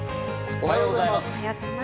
おはようございます。